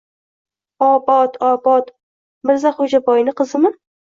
— Obod, Obod... Mirzaxo‘jaboyni qizimi?